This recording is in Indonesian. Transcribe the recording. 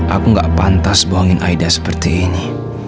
aku gak pantas buangin aida seperti ini